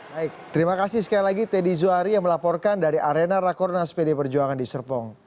baik terima kasih sekali lagi teddy zuhari yang melaporkan dari arena rakornas pd perjuangan di serpong